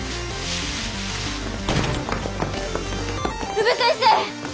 宇部先生！